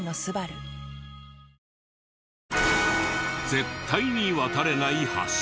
絶対に渡れない橋。